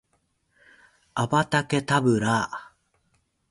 アバタケタブラ